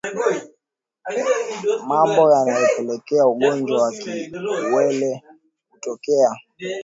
Mambo yanayopelekea ugonjwa wa kiwele kutokea